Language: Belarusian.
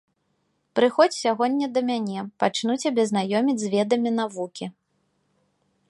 Прыходзь сягоння да мяне, пачну цябе знаёміць з ведамі навукі.